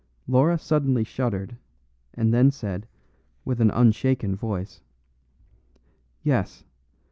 Laura suddenly shuddered, and then said, with an unshaken voice, "Yes.